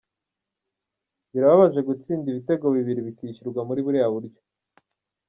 Birababaje gutsinda ibitego bibiri bikishyurwa muri buriya buryo.